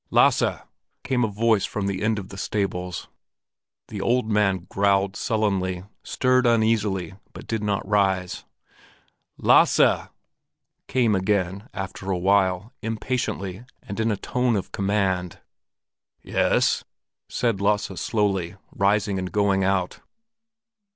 "Lasse!" came a voice from the end of the tables. The old man growled sullenly, stirred uneasily, but did not rise. "Las se!" came again, after a little, impatiently and in a tone of command. "Yes," said Lasse slowly, rising and going out.